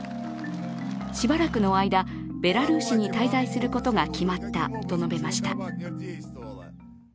しばらくの間、ベラルーシに滞在することが決まったと述べました。